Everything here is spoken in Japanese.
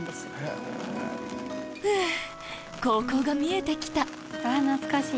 ふぅ高校が見えてきた懐かしい！